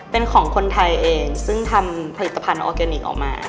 เป็นของคนไทยเองซึ่งทำผลิตภัณฑ์ออร์แกนิคออกมา